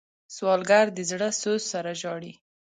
سوالګر د زړه سوز سره ژاړي